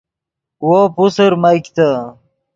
وو پوسر میگتے